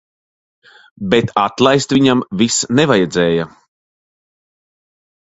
Bet atlaist viņam vis nevajadzēja.